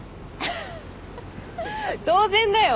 当然だよ。